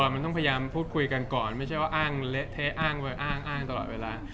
มันต้องพยายามพูดคุยกันก่อนไม่ใช่ว่าอ้างเละเทะอ้างไว้อ้างตลอดเวลา